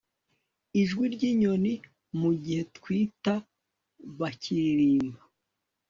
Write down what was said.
ijwi ryinyoni mugihe twitter bakaririmba